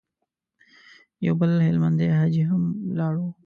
يو بل هلمندی حاجي هم ولاړ و.